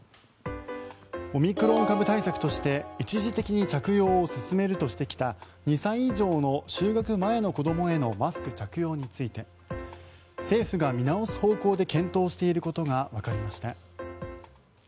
オミクロン株対策として一時的に着用を勧めるとしてきた２歳以上の就学前の子どもへのマスク着用について政府が見直す方向で検討していることがわかりました。